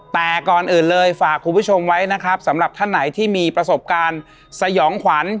แต่ก่อนอื่นเลยฝากคุณผู้ชมไว้นะครับสำหรับท่านไหนที่มีประสบการณ์สยองขวัญ